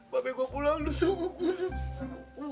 mabek gua pulang lu tunggu gue